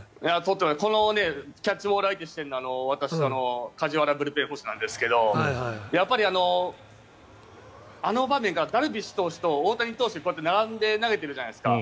このキャッチボール相手をしてるのは梶原ブルペン捕手なんですがやっぱり、あの場面がダルビッシュ投手と大谷投手が並んで投げているじゃないですか。